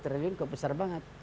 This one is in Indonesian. satu triliun itu besar banget